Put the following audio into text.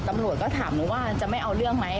ตำรวจก็ถามหนูว่าจะไม่เอาเรื่องไหม